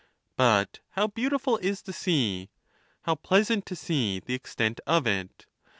But how beautiful is the sea ! How pleasant to see the extent of it